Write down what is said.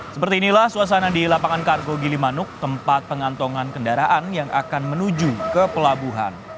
seperti inilah suasana di lapangan kargo gilimanuk tempat pengantongan kendaraan yang akan menuju ke pelabuhan